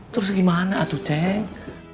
terus gimana atu ceng